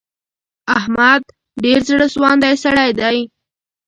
احمد ډېر زړه سواندی سړی دی.